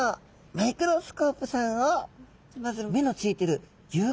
マイクロスコープさんをまず目のついてる有眼側。